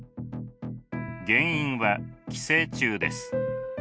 原因は寄生虫です。